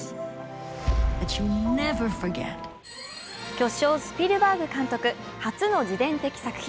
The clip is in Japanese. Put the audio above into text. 巨匠スピルバーグ監督、初の自伝的作品。